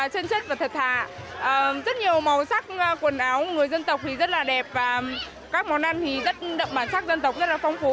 chân chất và thật thà rất nhiều màu sắc quần áo người dân tộc thì rất là đẹp và các món ăn thì rất đậm bản sắc dân tộc rất là phong phú